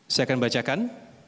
saya akan bacakan